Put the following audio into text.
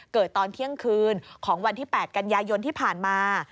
ตอนเที่ยงคืนของวันที่๘กันยายนที่ผ่านมา